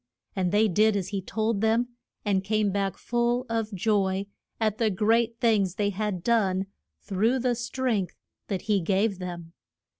And they did as he told them, and came back full of joy at the great things they had done through the strength that he gave them.